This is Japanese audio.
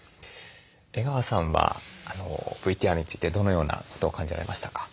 江川さんはＶＴＲについてどのようなことを感じられましたか？